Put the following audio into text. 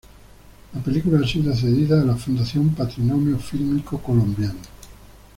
La película ha sido cedida a la Fundación Patrimonio Fílmico Colombiano.